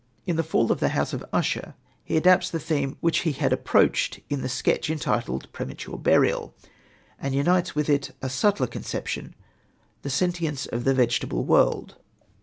In The Fall of the House of Usher he adapts the theme which he had approached in the sketch entitled Premature Burial, and unites with it a subtler conception, the sentience of the vegetable world.